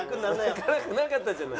辛くなかったじゃない。